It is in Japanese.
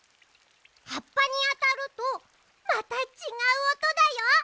はっぱにあたるとまたちがうおとだよ。